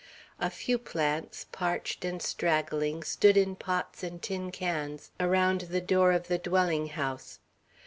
A few plants, parched and straggling, stood in pots and tin cans around the door of the dwelling house.